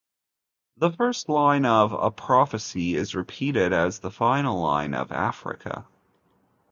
The first line of "A Prophecy" is repeated as the final line of "Africa".